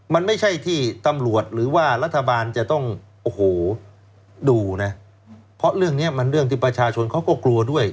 มันไม่ใช่ที่ตำรวจหรือว่ารัฐบาลจะต้องโอ้โหดูนะเพราะเรื่องนี้มันเรื่องที่ประชาชนเขาก็กลัวด้วย